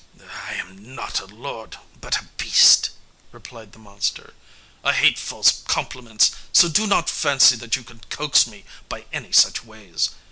"I am not a lord, but a beast," replied the monster; "I hate false compliments, so do not fancy that you can coax me by any such ways.